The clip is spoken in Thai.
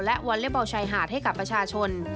และวอเล็บบอลชายหาดให้กับประชาชน